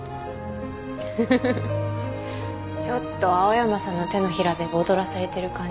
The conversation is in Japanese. フフフちょっと青山さんの手のひらで踊らされてる感じ